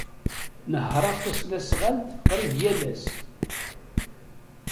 Nehhṛeɣ tasnasɣalt qrib yal ass.